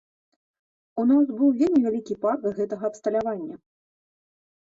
У нас быў вельмі вялікі парк гэтага абсталявання.